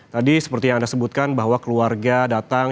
tadi seperti yang anda sebutkan bahwa keluarga datang